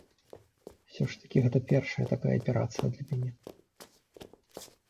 Усё ж такі гэта першая такая аперацыя для мяне.